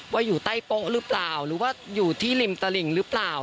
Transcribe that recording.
อยู่ใต้โป๊ะหรือเปล่าหรือว่าอยู่ที่ริมตลิ่งหรือเปล่า